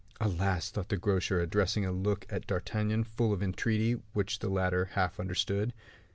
"Alas!" thought the grocer, addressing a look at D'Artagnan full of entreaty, which the latter half understood.